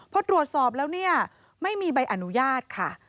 พอตรวจสอบแล้วเนี่ยไม่มีใบอนุญาตค่ะ